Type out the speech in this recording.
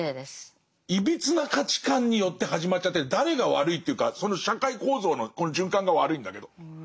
いびつな価値観によって始まっちゃってて誰が悪いというかその社会構造のこの循環が悪いんだけど。